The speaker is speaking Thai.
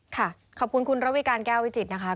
ขอบคุณคุณระวิการแก้ววิจิตรนะคะ